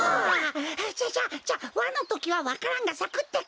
じゃじゃじゃワのときはわか蘭がさくってか？